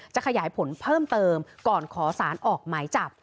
ขยายผลเพิ่มเติมก่อนขอสารออกหมายจับ